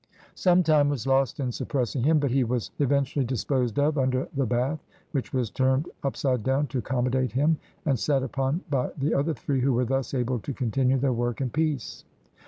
Some time was lost in suppressing him, but he was eventually disposed of under the bath, which was turned upside down to accommodate him and sat upon by the other three, who were thus able to continue their work in peace.